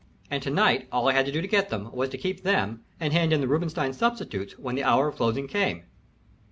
And to night all I had to do to get them was to keep them and hand in the Robinstein substitutes when the hour of closing came."